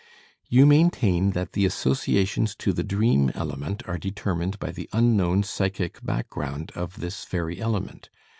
You maintain that the associations to the dream element are determined by the unknown psychic background of this very element.